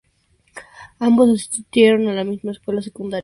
Ambos asistieron a la misma escuela secundaria.